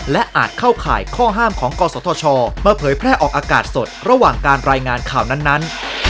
และอาจเข้าข่ายข้อห้ามของกศธชมาเผยแพร่ออกอากาศสดระหว่างการรายงานข่าวนั้น